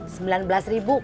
sembilan belas ribu